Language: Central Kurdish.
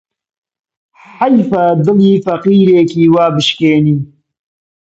حەیفە دڵی فەقیرێکی وا بشکێنی